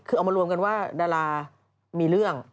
คือเอามารวมกันว่าดารามีเรื่อง